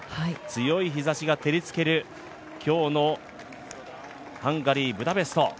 強い日ざしが照りつける今日のハンガリー・ブダペスト。